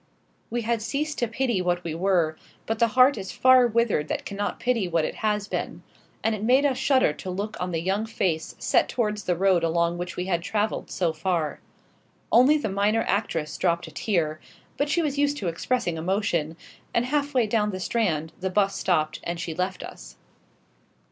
We had ceased to pity what we were, but the heart is far withered that cannot pity what it has been; and it made us shudder to look on the young face set towards the road along which we had travelled so far. Only the minor actress dropped a tear; but she was used to expressing emotion, and half way down the Strand the 'bus stopped and she left us.